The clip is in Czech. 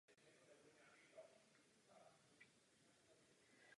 Volič ovšem musí být v k tomu odpovídající poloze.